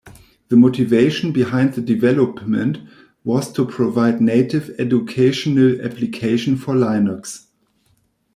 The motivation behind the development was to provide native educational application for Linux.